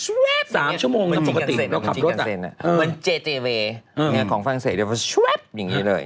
อุณเจธิเวย์ของฝั่งเสยร์ชว๊าปอย่างงี้เลย